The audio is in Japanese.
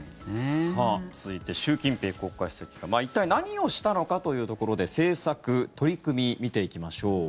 続いて習近平国家主席が一体、何をしたのかというところで政策、取り組み見ていきましょう。